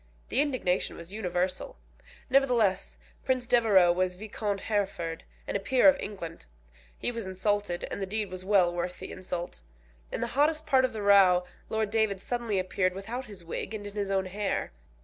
The indignation was universal. Nevertheless Prince Devereux was Viscount Hereford, and a peer of England. He was insulted, and the deed was well worth the insult. In the hottest part of the row Lord David suddenly appeared without his wig and in his own hair.